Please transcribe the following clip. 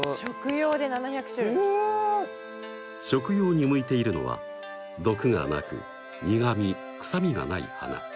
食用に向いているのは毒がなく苦み臭みがない花。